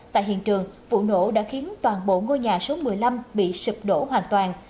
tại hiện trường vụ nổ đã khiến toàn bộ ngôi nhà số một mươi năm bị sụp đổ hoàn toàn